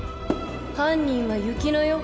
犯人は雪乃よ